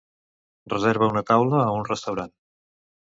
Reserva una taula a un restaurant.